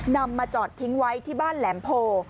นำมาจอดทิ้งไว้ที่บ้านแหลมโพ